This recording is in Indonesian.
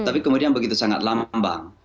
tapi kemudian begitu sangat lambang